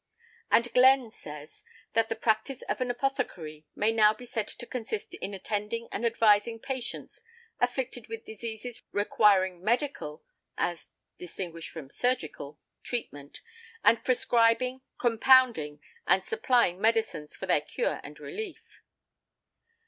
And Glenn says that the practice of an apothecary may now be said to consist in attending and advising patients afflicted with diseases requiring medical (as distinguished from surgical) treatment; and prescribing, compounding and supplying medicines for their cure and relief .